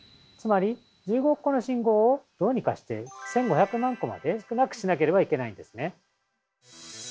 つまり１５億個の信号をどうにかして１，５００万個まで少なくしなければいけないんですね。